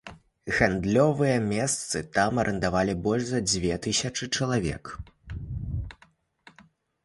Гандлёвыя месцы там арандавалі больш за дзве тысячы чалавек.